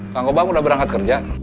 kang gobang udah berangkat kerja